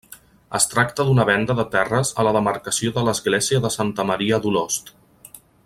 Es tracta d’una venda de terres a la demarcació de l’església de Santa Maria d’Olost.